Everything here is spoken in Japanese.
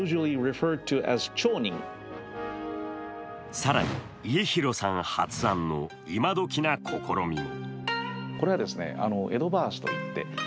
更に家広さん発案の今どきな試みも。